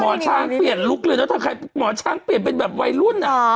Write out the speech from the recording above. หมอช้างเปลี่ยนลุคเลยนะถ้าใครหมอช้างเปลี่ยนเป็นแบบวัยรุ่นอ่ะ